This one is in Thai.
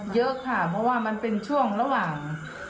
เยอะค่ะเพราะว่ามันเป็นช่วงระหว่าง